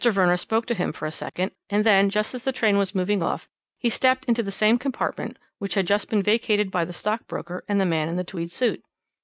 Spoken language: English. Verner spoke to him for a second, and then, just as the train was moving off, he stepped into the same compartment which had just been vacated by the stockbroker and the man in the tweed suit.